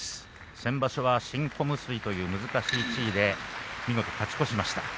先場所は新小結という難しい地位で見事、勝ち越しました。